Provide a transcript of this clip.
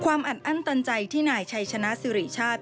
อัดอั้นตันใจที่นายชัยชนะสิริชาติ